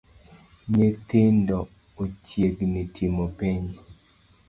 Nyithindo ochiegni timo penj